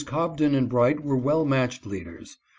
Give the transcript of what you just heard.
Cobden and Bright were well matched leaders.